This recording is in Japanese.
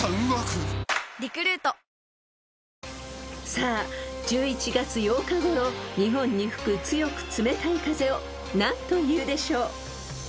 ［さあ１１月８日ごろ日本に吹く強く冷たい風を何というでしょう？］